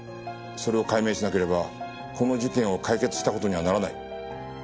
それを解明しなければこの事件を解決した事にはならない。